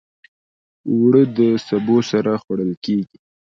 اوړه د سبو سره خوړل کېږي